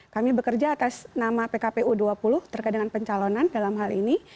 kami bekerja atas nama pkpu dua puluh terkait dengan pencalonan dalam hal ini